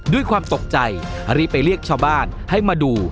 ด้วยความตกใจรีบไปเรียกชาวบ้านให้มาดู